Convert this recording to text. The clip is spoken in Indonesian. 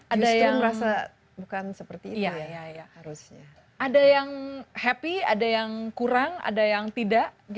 ada yang merasa bukan seperti itu ya harusnya ada yang happy ada yang kurang ada yang tidak